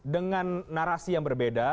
dengan narasi yang berbeda